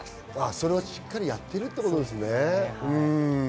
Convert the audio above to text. それをしっかりやってるって事だね。